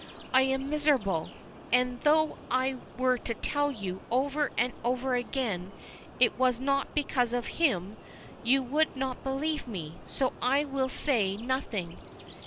I am miserable! And though I were to tell you over and over again it was not because of him, you would not believe me, so I will say nothing."